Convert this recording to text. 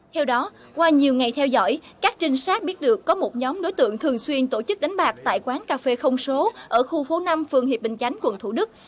theo đó qua nhiều ngày theo dõi các trinh sát biết được có một nhóm đối tượng thường xuyên tổ chức đánh bạc tại quán cà phê không số ở khu phố năm phường hiệp bình chánh quận thủ đức